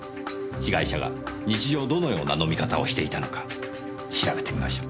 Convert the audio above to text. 被害者が日常どのような飲み方をしていたのか調べてみましょう。